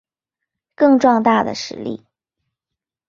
更壮大的实力